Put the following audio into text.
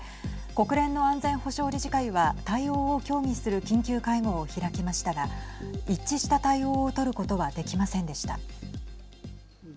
国連の安全保障理事会は対応を協議する緊急会合を開きましたが一致した対応を取ることはできませんでした。